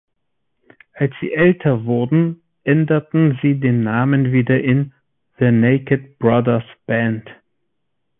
Als sie älter wurden, änderten sie den Namen wieder in "„The Naked Brothers Band“".